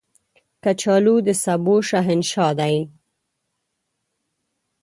کچالو د سبو شهنشاه دی